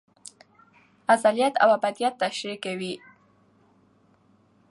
ازليت او ابديت تشريح کوي